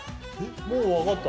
もう分かった？